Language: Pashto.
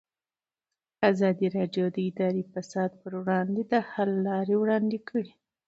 ازادي راډیو د اداري فساد پر وړاندې د حل لارې وړاندې کړي.